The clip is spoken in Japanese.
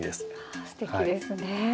すてきですね。